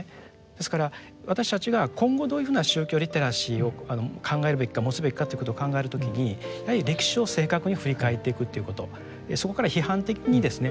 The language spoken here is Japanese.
ですから私たちが今後どういうふうな宗教リテラシーを考えるべきか持つべきかということを考える時にやはり歴史を正確に振り返っていくということそこから批判的にですね